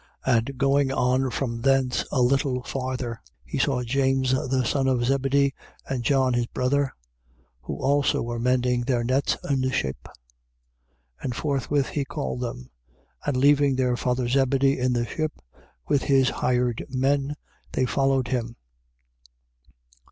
1:19. And going on from thence a little farther, he saw James the son of Zebedee and John his brother, who also were mending their nets in the ship: 1:20. And forthwith he called them. And leaving their father Zebedee in the ship with his hired men, they followed him.